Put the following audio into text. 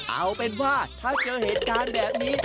เอาเป็นว่าถ้าเจอเหตุการณ์แบบนี้